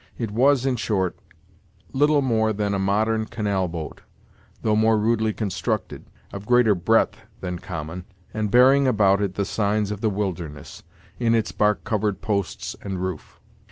It was, in short, little more than a modern canal boat, though more rudely constructed, of greater breadth than common, and bearing about it the signs of the wilderness, in its bark covered posts and roof.